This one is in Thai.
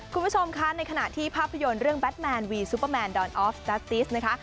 คุณผู้ชมคะในขณะที่ภาพยนตร์เรื่องแบทแมนวีซูเปอร์แมนดอนออฟจัสติสนะคะ